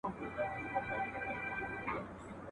چي څه تیار وي هغه د یار وي !.